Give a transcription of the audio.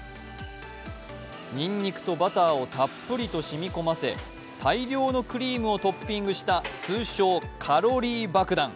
にんにくとバターをたっぷりと染み込ませ、大量のクリームをトッピングした、通称・カロリー爆弾。